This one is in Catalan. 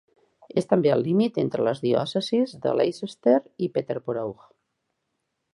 És també el límit entre les diòcesis de Leicester i Peterborough.